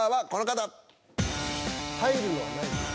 入るのはないです。